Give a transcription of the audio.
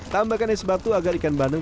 tambahkan es batu agar ikan bandeng